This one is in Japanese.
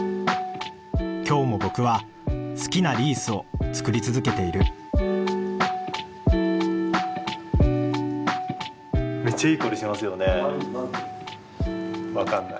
今日も僕は好きなリースを作り続けている・なんて花？